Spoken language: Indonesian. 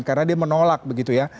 karena dia menolak begitu ya